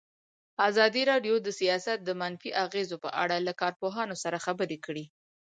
ازادي راډیو د سیاست د منفي اغېزو په اړه له کارپوهانو سره خبرې کړي.